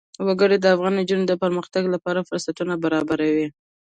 وګړي د افغان نجونو د پرمختګ لپاره فرصتونه برابروي.